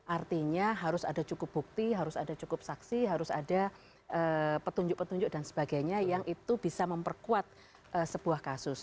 artinya harus ada cukup bukti harus ada cukup saksi harus ada petunjuk petunjuk dan sebagainya yang itu bisa memperkuat sebuah kasus